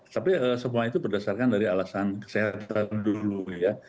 tapi semua itu berdasarkan dari alasan kesehatan dulu ya